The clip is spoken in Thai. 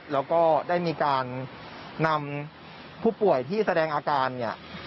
แล้วก็ได้มีการนำผู้ป่วยที่แสดงอาการเนี่ย